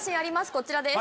こちらです。